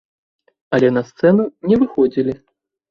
Але на сцэну не выходзілі.